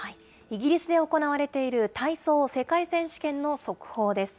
イギリスで行われている体操世界選手権の速報です。